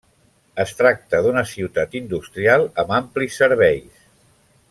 Es tracta d'una ciutat industrial amb amplis serveis.